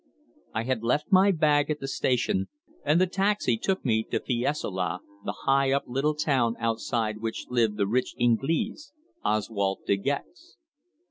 I had left my bag at the station, and the taxi took me to Fiesole, the high up little town outside which lived the "rich Inglese" Oswald De Gex.